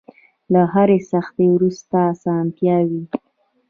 له هرې سختۍ وروسته ارسانتيا وي.